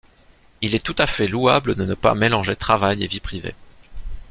Il est tout à fait louable de ne pas mélanger travail et vie privée.